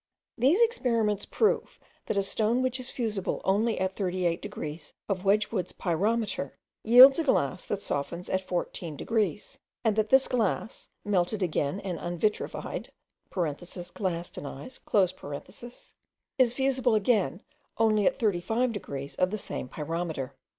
These experiments prove, that a stone which is fusible only at thirty eight degrees of Wedgwood's pyrometer, yields a glass that softens at fourteen degrees; and that this glass, melted again and unvitrified (glastenized), is fusible again only at thirty five degrees of the same pyrometer.